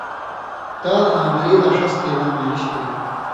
تال آں مری لا ݜس تیلاں مالش کری۔